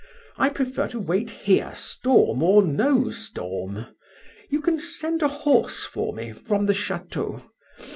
I prefer to wait here, storm or no storm; you can send a horse for me from the chateau.